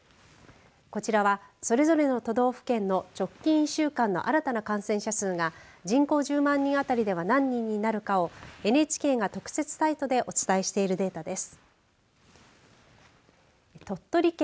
こちらは、それぞれの都道府県の直近１週間の新たな感染者数が人口１０万人当たりでは何人になるかをＮＨＫが特設サイトでお伝えしているデータです。